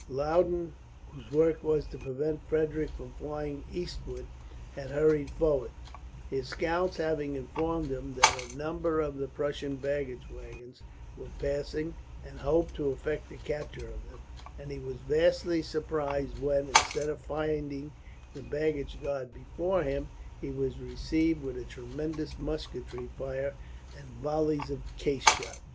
Loudon, whose work was to prevent Frederick from flying eastward, had hurried forward; his scouts having informed him that a number of the Prussian baggage waggons were passing, and hoped to effect a capture of them; and he was vastly surprised when, instead of finding the baggage guard before him, he was received with a tremendous musketry fire and volleys of case shot.